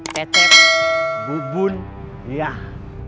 tetep bubun yah